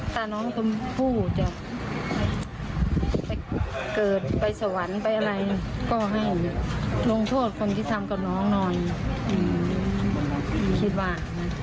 ถ้าน้องชมพู่จะไปเกิดไปสวรรค์ไปอะไรก็ให้ลงโทษคนที่ทำกับน้องหน่อยคิดว่า